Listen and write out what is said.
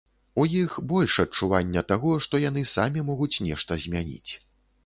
У іх больш адчування таго, што яны самі могуць нешта змяніць.